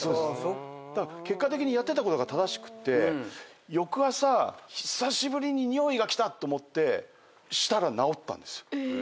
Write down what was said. だから結果的にやってたことが正しくて翌朝久しぶりに尿意がきたと思ってしたら治ったんですよ。